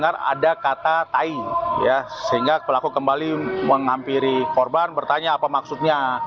dengar ada kata taing sehingga pelaku kembali menghampiri korban bertanya apa maksudnya